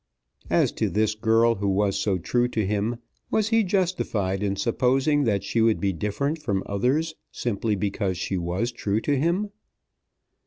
As to this girl, who was so true to him, was he justified in supposing that she would be different from others, simply because she was true to him?